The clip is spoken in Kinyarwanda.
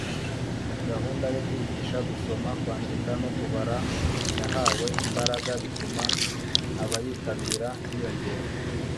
gahunda yo kwigisha gusoma, kwandika no kubara yahawe imbaraga bituma abayitabira biyongera